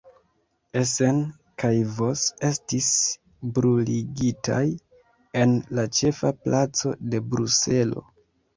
Essen kaj Vos estis bruligitaj en la ĉefa placo de Bruselo.